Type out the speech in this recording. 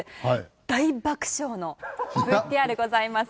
大爆笑のＶＴＲございます。